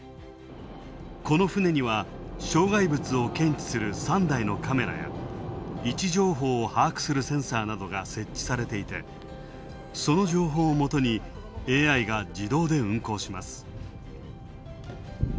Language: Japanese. この船には障害物を検知する３台のカメラや、位置情報を把握するセンサーなどが設置されていて、その情報を元にＡＩが自動で運航します。